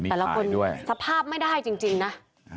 แต่ละคนด้วยสภาพไม่ได้จริงนะ